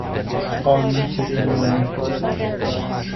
قانون شکنانه